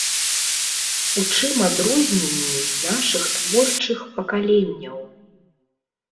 У чым адрозненні нашых творчых пакаленняў?